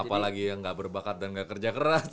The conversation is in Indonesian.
apalagi yang gak berbakat dan gak kerja keras